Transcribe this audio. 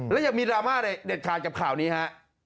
และยังมีดราม่าเด็ดขาดกับข่าวนี้ฮะ